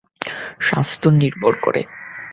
স্বাস্থ্য নির্ভর করে।